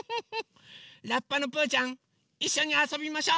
ラッパのぷうちゃんいっしょにあそびましょ！